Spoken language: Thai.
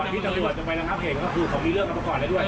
อ๋อว่าพิจารย์จะไปนะครับเห็นก็คือเขามีเรื่องกันมาก่อนแล้วด้วย